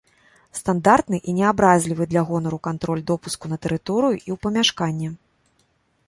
Стандартны і не абразлівы для гонару кантроль допуску на тэрыторыю і ў памяшканне.